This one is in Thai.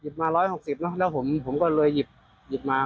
หยิบมา๑๖๐บาทแล้วผมก็เลยหยิบมา